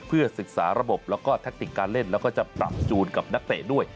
เพื่อศึกษาระบบแล้วก็แทคติกการเล่นแล้วก็จะปรับจูนกับนักเตะด้วย